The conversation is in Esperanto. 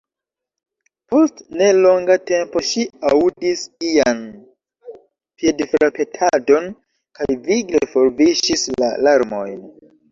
Post ne longa tempo ŝi aŭdis ian piedfrapetadon, kaj vigle forviŝis la larmojn.